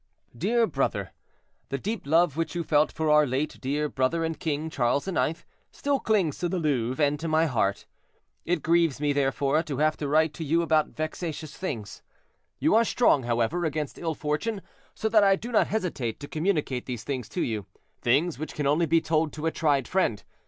"'Dear brother, the deep love which you felt for our late dear brother and king, Charles IX., still clings to the Louvre and to my heart; it grieves me, therefore, to have to write to you about vexatious things. You are strong, however, against ill fortune, so that I do not hesitate to communicate these things to you—things which can only be told to a tried friend.